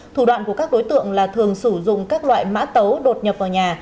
thủ đoạn của các đối tượng là thường sử dụng các loại mã tấu đột nhập vào nhà